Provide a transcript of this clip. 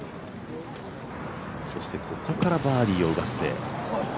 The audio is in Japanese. そして、ここからバーディーを奪って。